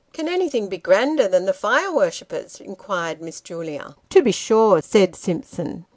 " Can anything be grander than the Fire Worshippers ?" inquired Miss Julia. " To be sure," said Simpson.